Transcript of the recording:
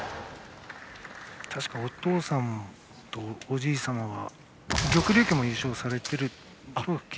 確かお父さんとおじいさんは玉竜旗も優勝されて。